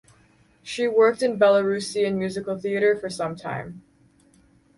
She worked in Belarusian Musical Theatre for some time.